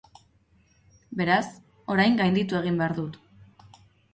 Beraz, orain gainditu egin behar dut.